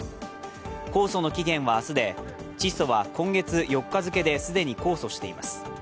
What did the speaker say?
控訴の期限は明日でチッソは今月４日付けで既に控訴しています。